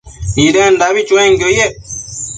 Nidendabi chuenquio yec